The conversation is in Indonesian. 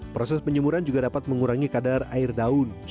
proses penjemuran juga dapat mengurangi kadar air daun